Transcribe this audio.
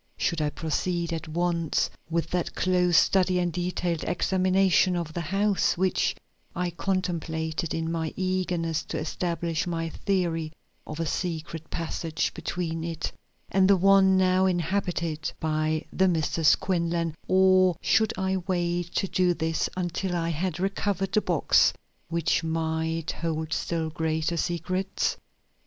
Should I proceed at once with that close study and detailed examination of the house, which I contemplated in my eagerness to establish my theory of a secret passage between it and the one now inhabited by the Misses Quinlan, or should I wait to do this until I had recovered the box, which might hold still greater secrets?